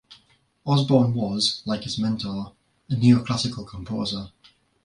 Osborne was, like his mentor, a neoclassical composer.